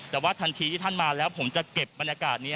แต่ว่าทันทีที่ท่านมาแล้วผมจะเก็บบรรยากาศนี้